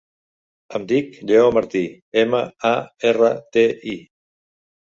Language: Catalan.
Em dic Lleó Marti: ema, a, erra, te, i.